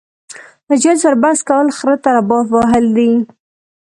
له جاهل سره بحث کول خره ته رباب وهل دي.